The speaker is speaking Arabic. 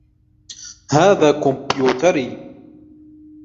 هذا كمبيوتري.